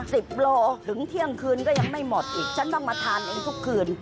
สิบโลถึงเที่ยงคืนก็ยังไม่หมดอีกฉันต้องมาทานเองทุกคืน